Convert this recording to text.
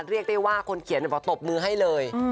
เรียกได้ว่าคนเขียนบอกตบมือให้เลย